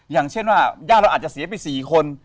อย่างเช่นว่าญาติเราอาจจะเสียไป๔คน